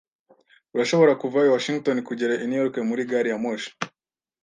Urashobora kuva i Washington kugera i New York muri gari ya moshi.